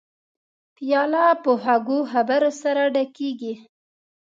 پیاله په خوږو خبرو سره ډکېږي.